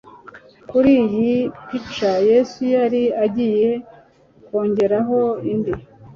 Kuri iyi pica Yesu yari agiye kongeraho indi.